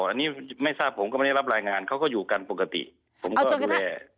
อันนี้ไม่ทราบผมก็ไม่ได้รับรายงานเขาก็อยู่กันปกติผมก็ดูแล